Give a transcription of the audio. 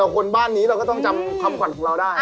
คนบ้านนี้เราก็ต้องจำคำขวัญของเราได้